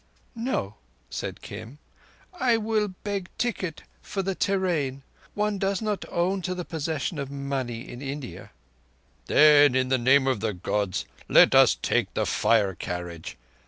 "No," said Kim. "I will beg a tikkut for the te rain." One does not own to the possession of money in India. "Then, in the name of the Gods, let us take the fire carriage.